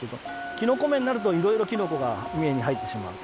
きのこ目になるといろいろきのこが目に入ってしまうと。